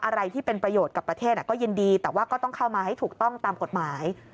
อะไรที่เป็นประโยชน์กับประเทศก็ยินดีแต่ว่าก็ต้องเข้ามาให้ถูกต้องตามกฎหมาย